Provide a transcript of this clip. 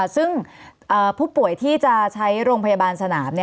ซึ่งผู้ป่วยที่จะใช้โรงพยาบาลสนาม